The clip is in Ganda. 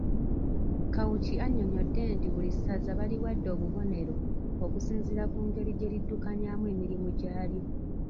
Kawuki annyonnyodde nti buli ssaza baliwadde obubonero okusinziira ku ngeri gye liddukanyaamu emirimu gyalyo.